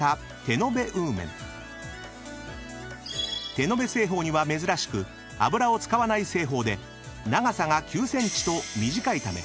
［手延べ製法には珍しく油を使わない製法で長さが９ｃｍと短いため］